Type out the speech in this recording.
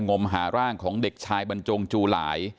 มหาร่างของเด็กชายบรรจงจูหลาย